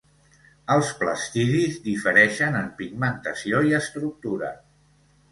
Els plastidis difereixen en pigmentació i estructura.